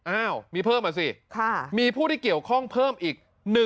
อ้าวมีเพิ่มอ่ะสิมีผู้ที่เกี่ยวข้องเพิ่มอีก